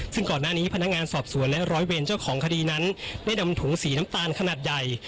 ซึ่งก่อนหน้านี้พนักงานสอบสวนและร้อยเวรเจ้าของคดีนั้นได้นำถุงสีน้ำตาลขนาดใหญ่